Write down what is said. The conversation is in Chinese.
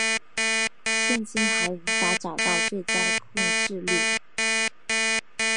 现今还无法找到最佳的控制律。